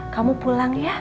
kamu pulang ya